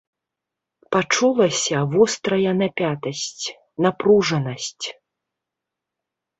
Пачулася вострая напятасць, напружанасць.